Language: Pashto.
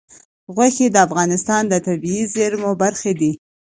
غوښې د افغانستان د طبیعي زیرمو برخه ده.